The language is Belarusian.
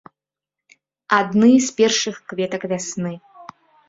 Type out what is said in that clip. Адны з першых кветак вясны.